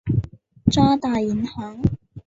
渣打银行。